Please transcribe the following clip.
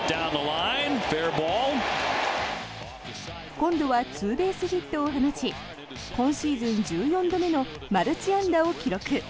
今度はツーベースヒットを放ち今シーズン１４度目のマルチ安打を記録。